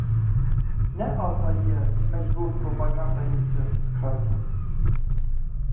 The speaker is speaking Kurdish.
Ne asayî ye me ji bo propagandayên siyasî bi kar bînin.